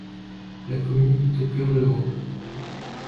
La commune est au cœur de l'Europe.